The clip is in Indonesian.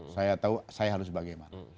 saya tahu saya harus bagaimana